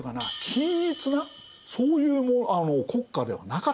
均一なそういう国家ではなかった。